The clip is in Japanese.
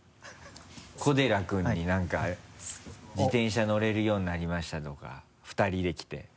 小寺君に何か「自転車乗れるようになりました」とか２人で来て。